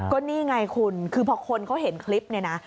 ก็นี่ไงคุณคือพอคนเขาเห็นคลิปเนี่ยนะ